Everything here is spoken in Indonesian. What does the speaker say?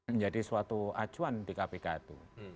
menjadi suatu acuan di kpk itu